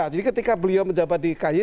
jadi ketika beliau menjabat di ky